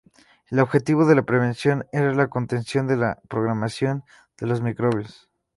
El objetivo de la prevención era la contención de la propagación de los microbios.